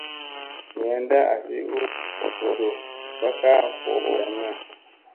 Bayanda asi u gooyodu ba kaa voo vadamiya.